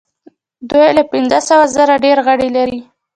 دوی له پنځه سوه زره ډیر غړي لري.